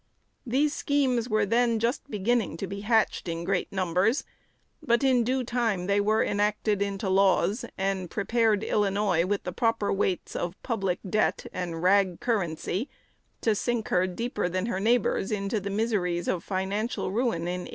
These schemes were then just beginning to be hatched in great numbers; but in due time they were enacted into laws, and prepared Illinois with the proper weights of public debt and "rag" currency, to sink her deeper than her neighbors into the miseries of financial ruin in 1837.